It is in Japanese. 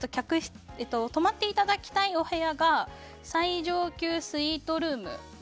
泊まっていただきたいお部屋が最上級スイートルーム。